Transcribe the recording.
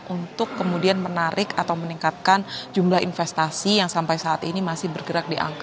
untuk kemudian menarik atau meningkatkan jumlah investasi yang sampai saat ini masih bergerak di angka